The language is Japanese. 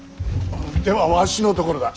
ではわしのところだ。